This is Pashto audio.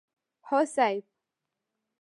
هو صيب!